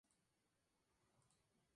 Casado con "Martina Rencoret y Cienfuegos".